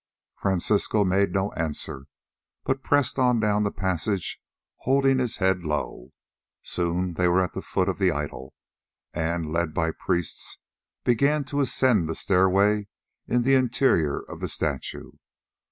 Francisco made no answer, but pressed on down the passage holding his head low. Soon they were at the foot of the idol, and, led by priests, began to ascend the stairway in the interior of the statue.